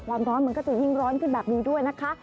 ความร้อนมันก็จะยิ่งร้อนขึ้นแบบนี้ด้วยนะคะ